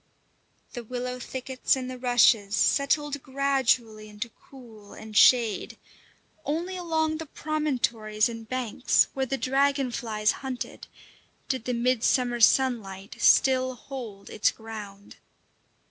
The willow thickets and the rushes settled gradually into cool and shade; only along the promontories and banks, where the dragonflies hunted, did the mid summer sunlight still hold its ground.